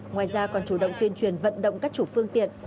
ngoài ra còn chủ động tuyên truyền vận động các chủ phương tiện